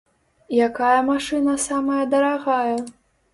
Якая машына самая дарагая?